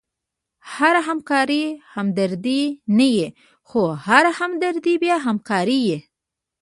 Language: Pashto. هره همکاري همدردي نه يي؛ خو هره همدردي بیا همکاري يي.